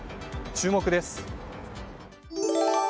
注目です。